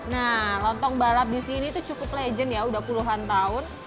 nah lontong balap disini cukup legend ya udah puluhan tahun